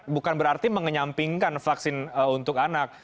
bukan berarti mengenyampingkan vaksin untuk anak